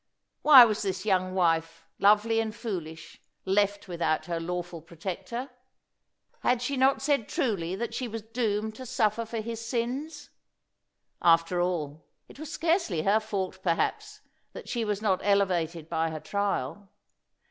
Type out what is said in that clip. Why was this young wife, lovely and foolish, left without her lawful protector? Had she not said truly that she was doomed to suffer for his sins? After all, it was scarcely her fault, perhaps, that she was not elevated by her trial.